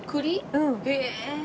うん。へえ！